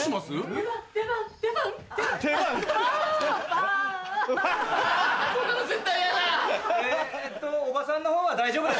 えっとおばさんのほうは大丈夫です。